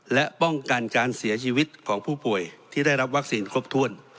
และป้องกันการเสียชีวิตของผู้ป่วยที่ได้รับวัคซีนครบถ้วน